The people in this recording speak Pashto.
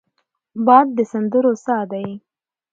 باد د سندرو سا دی